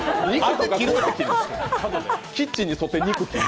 キッチンに沿って肉切る。